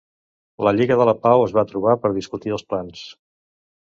La lliga de la pau es va trobar per discutir els plans.